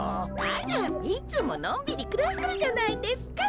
あらっいつものんびりくらしてるじゃないですか。